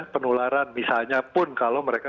penularan misalnya pun kalau mereka